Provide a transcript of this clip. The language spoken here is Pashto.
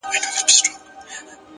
وخت د انتظار نه کوي.!